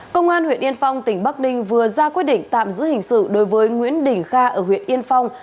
công an huyện yên phong tỉnh bắc ninh vừa ra quyết định tạm giữ hình sự đối với nguyễn đình kha ở huyện yên phong